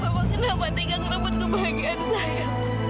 bapak kenapa tinggal merebut kebahagiaan saya